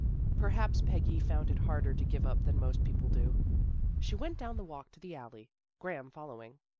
Perhaps Peggy found it harder to give up than most people do. She went down the walk to the alley, Graham following.